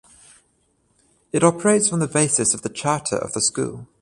It operates on the basis of the charter of the school.